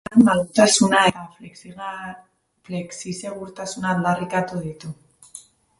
Lan arloan, malgutasuna eta flexisegurtasuna aldarrikatu ditu.